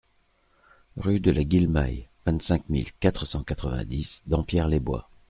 Rue de la Guillemaille, vingt-cinq mille quatre cent quatre-vingt-dix Dampierre-les-Bois